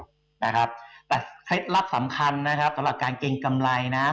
สำหรับการเก็งกำไรนะ